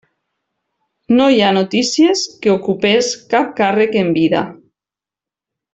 No hi ha notícies que ocupés cap càrrec en vida.